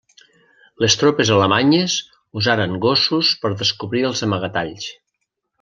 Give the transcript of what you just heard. Les tropes alemanyes usaren gossos per descobrir els amagatalls.